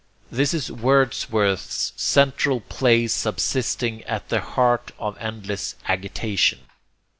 This is Wordsworth's "central peace subsisting at the heart of endless agitation."